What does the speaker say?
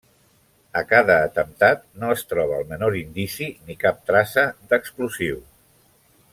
A cada atemptat, no es troba el menor indici, ni cap traça d'explosiu.